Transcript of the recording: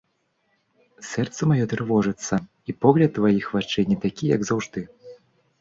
Сэрца маё трывожыцца, і погляд тваіх вачэй не такі, як заўжды.